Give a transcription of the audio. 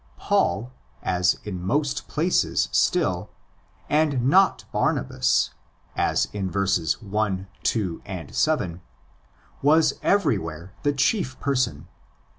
Paul (as in most places still) and not Barnabas (as in verses 1, 2, 7) was everywhere the chief person.